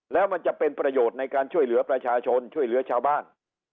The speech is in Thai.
แล้วมันจะเป็นประโยชน์ในการช่วยเหลือประชาชนช่วยเหลือชาวบ้าน